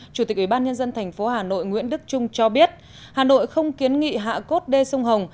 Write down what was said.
chủ tịch ủy ban nhân dân thành phố hà nội nguyễn đức trung cho biết hà nội không kiến nghị hạ cốt đê sông hồng